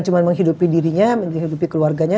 cuma menghidupi dirinya menghidupi keluarganya